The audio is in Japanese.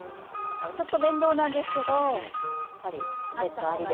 ちょっと面倒なんですけどやっぱりポケットありで。